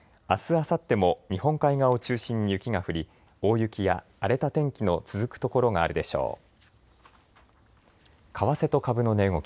あすあさっても日本海側を中心に雪が降り大雪や荒れた天気の続く所があるでしょう。